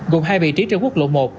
gồm hai vị trí trên quốc lộ một